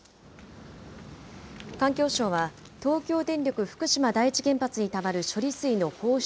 環境省は東京電力福島第一原発にたまる処理水の放出